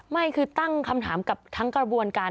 ไม่คือตั้งคำถามกับทั้งกระบวนการ